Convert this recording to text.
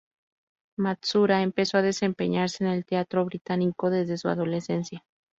Matsuura empezó a desempeñarse en el teatro británico desde su adolescencia.